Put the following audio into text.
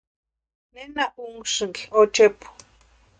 ¿Nena únhasïnki ochepu?